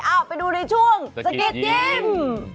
เอาไปดูในช่วงสกิดยิ้ม